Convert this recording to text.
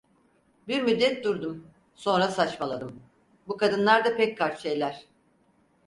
Bir müddet durdum, sonra saçmaladım: "Bu kadınlar da pek kart şeyler…"